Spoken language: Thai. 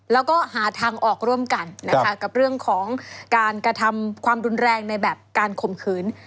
แล้วก็หาทางออกร่วมกันนะคะกับเรื่องของการกระทำความรุนแรงในแบบการข่มขืน